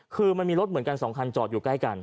คือมันมีรถเหมือนกัน๒คันจอดอยู่ใกล้กัน